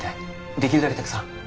できるだけたくさん。